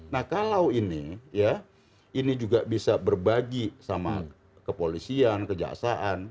nah kalau ini ya ini juga bisa berbagi sama kepolisian kejaksaan